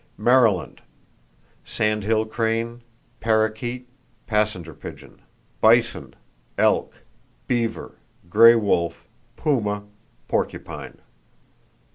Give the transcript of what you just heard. Maryland: Sandhill crane, parrakeet, passenger pigeon; bison, elk, beaver, gray wolf, puma, porcupine.